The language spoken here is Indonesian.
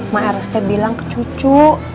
maeros itu bilang ke cucu